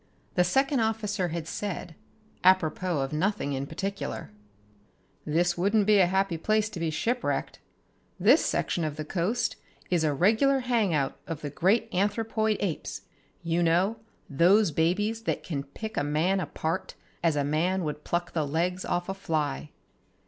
The second officer had said, apropos of nothing in particular: "This wouldn't be a happy place to be shipwrecked. This section of the coast is a regular hangout of the great anthropoid apes. You know, those babies that can pick a man apart as a man would pluck the legs off a fly."